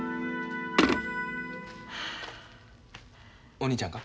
お兄ちゃんか？